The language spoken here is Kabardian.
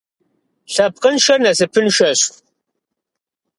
Лъэпкъыншэр насыпыншэщ.